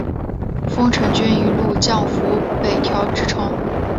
丰臣军一路降伏北条支城。